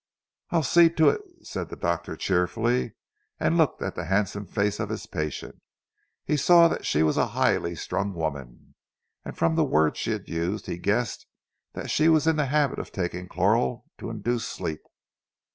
"I'll see to it," said the doctor cheerfully, and looked at the handsome face of his patient. He saw that she was a highly strung woman, and from the word she had used he guessed that she was in the habit of taking chloral to induce sleep.